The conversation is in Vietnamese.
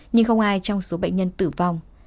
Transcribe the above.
nhưng không ai trong số bệnh nhân tử vong